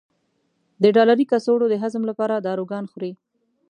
د ډالري کڅوړو د هضم لپاره داروګان خوري.